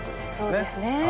そうですね。